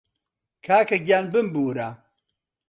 کاکەگیان بمبوورە